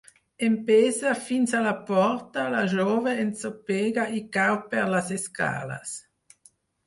Empesa fins a la porta, la jove ensopega i cau per les escales.